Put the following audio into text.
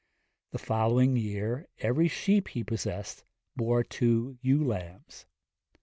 The following year every sheep he possessed bore two ewe lambs.